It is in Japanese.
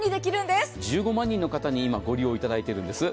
今、１５万人の方にご利用いただいているんです。